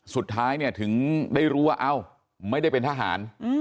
สุดท้ายเนี่ยถึงได้รู้ว่าเอ้าไม่ได้เป็นทหาร